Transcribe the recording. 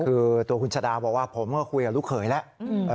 คือตัวคุณชะดาบอกว่าผมก็คุยกับลูกเขยแล้ว